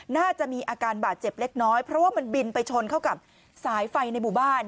น่าจะมีอาการบาดเจ็บเล็กน้อยเพราะว่ามันบินไปชนเข้ากับสายไฟในหมู่บ้าน